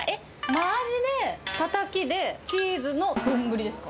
真鯵で、たたきで、チーズの丼ですか？